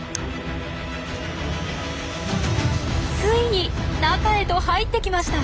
ついに中へと入ってきました。